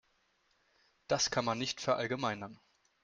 Das kann man nicht verallgemeinern.